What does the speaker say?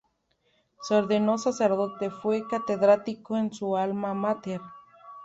Se ordenó sacerdote, fue catedrático en su alma máter.